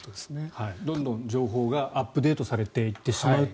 どんどん情報がアップデートされていってしまうと。